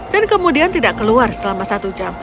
dan kemudian tidak keluar selama satu jam